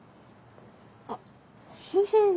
あっ先生